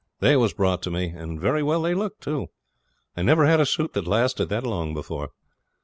They was brought to me, and very well they looked, too. I never had a suit that lasted that long before.